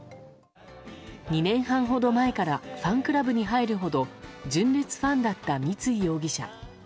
２年半ほど前からファンクラブに入るほど純烈ファンだった三井容疑者。